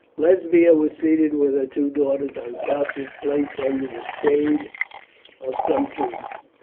Lesbia was seated with her two daughters on couches placed under the shade of some trees.